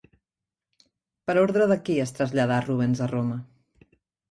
Per ordre de qui es traslladà Rubens a Roma?